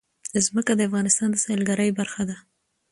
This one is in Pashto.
ځمکه د افغانستان د سیلګرۍ برخه ده.